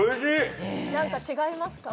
何か違いますか？